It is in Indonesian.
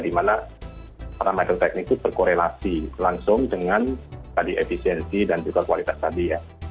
dimana parameter teknik itu berkorelasi langsung dengan tadi efisiensi dan juga kualitas tadi ya